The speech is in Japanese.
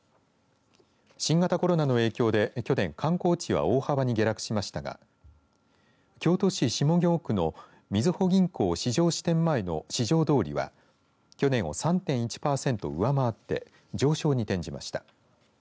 新型コロナの影響で去年、観光地は大幅に下落しましたが京都市下京区のみずほ銀行四条支店前の四条通は去年を３．１パーセント上回って上昇に転じました。